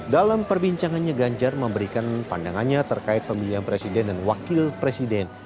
dalam perbincangannya ganjar memberikan pandangannya terkait pemilihan presiden dan wakil presiden